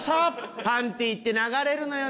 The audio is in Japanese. パンティって流れるのよね。